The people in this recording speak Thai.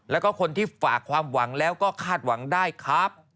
แล้วก็คนที่ฝากความหวังแล้วก็คาดหวังได้ครับ